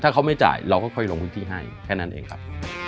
ถ้าเขาไม่จ่ายเราก็ค่อยลงพื้นที่ให้แค่นั้นเองครับ